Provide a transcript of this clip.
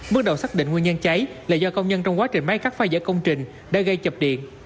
bước đầu xác định nguyên nhân cháy là do công nhân trong quá trình máy cắt phá dỡ công trình đã gây chập điện